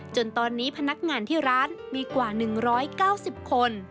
จนตอนนี้พนักงานที่ร้านมีกว่า๑๙๐คน